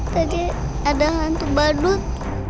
tadi ada hantu badut